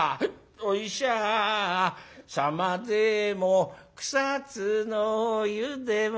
「お医者様でも草津の湯でも」